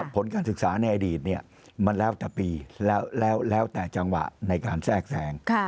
ผลการศึกษาในอดีตมันแล้วแต่ปีแล้วแต่จังหวะในการแทรกแทรง